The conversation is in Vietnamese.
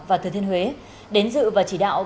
và thừa thiên huế đến dự và chỉ đạo